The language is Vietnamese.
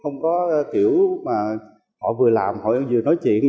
không có kiểu mà họ vừa làm họ vừa nói chuyện